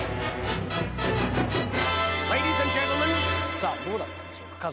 さぁどうだったんでしょうか家族。